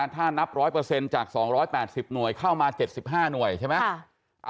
ถ้านับ๑๐๐จาก๒๘๐หน่วยเข้ามา๗๕หน่วยใช่ไหม